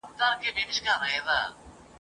چي د چا په سر كي سترگي د ليدو وي !.